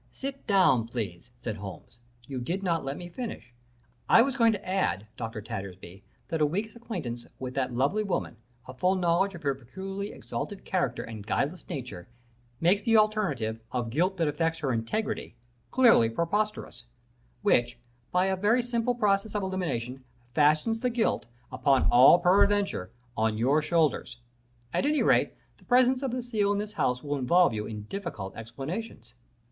"'Sit down, please,' said Holmes. 'You did not let me finish. I was going to add, Dr. Tattersby, that a week's acquaintance with that lovely woman, a full knowledge of her peculiarly exalted character and guileless nature, makes the alternative of guilt that affects her integrity clearly preposterous, which, by a very simple process of elimination, fastens the guilt, beyond all peradventure, on your shoulders. At any rate, the presence of the seal in this house will involve you in difficult explanations.